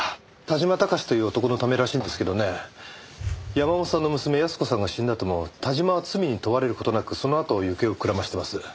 山本さんの娘康子さんが死んだあとも田島は罪に問われる事なくそのあと行方をくらましてます。